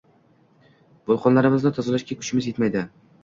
vulqonlarimizni tozalashga kuchimiz yetmaydi.